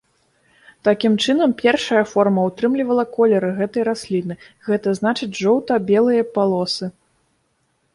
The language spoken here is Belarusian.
Такім чынам першая форма ўтрымлівала колеры гэтай расліны, гэта значыць жоўта-белыя палосы.